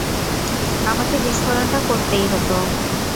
আমাকে বিস্ফোরণটা করতেই হতো।